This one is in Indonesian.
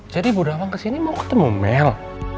jadi bu dawang kesini mau ketemu mel